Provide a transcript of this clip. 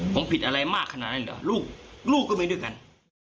ผมผิดอะไรมากขนาดนั้นเหรอลูกก็ไม่ด้วยกัน